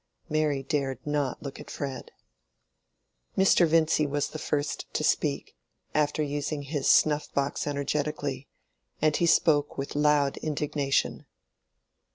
Mary dared not look at Fred. Mr. Vincy was the first to speak—after using his snuff box energetically—and he spoke with loud indignation.